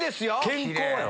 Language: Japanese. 「健康」やろ。